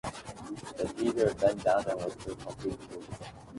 The trees were bent down and were completely full.